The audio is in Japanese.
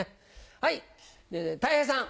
はいたい平さん。